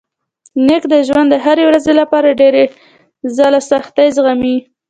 نیکه د ژوند د هرې ورځې لپاره ډېر ځله سختۍ زغمي.